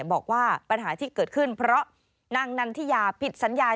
บอกว่าปัญหาที่เกิดขึ้นเพราะนางนันทิยาผิดสัญญา